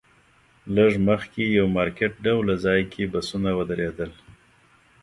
لږ مخکې یو مارکیټ ډوله ځای کې بسونه ودرېدل.